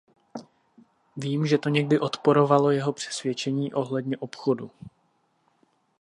Vím, že to někdy odporovalo jeho přesvědčení ohledně obchodu.